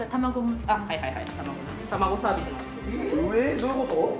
どういうこと？